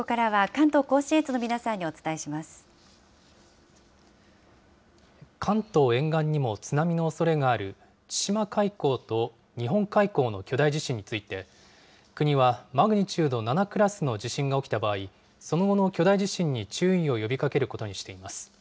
関東沿岸にも津波のおそれがある、千島海溝と日本海溝の巨大地震について、国はマグニチュード７クラスの地震が起きた場合、その後の巨大地震に注意を呼びかけることにしています。